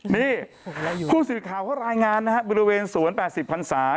นี่คู่สื่อข่าวแล้วรายงานนะครับบริเวณศูนย์๘๐พันธุ์ศาสตร์